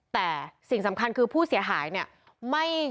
แต่สิ่งสำคัญคือผู้เสียหายเนี่ย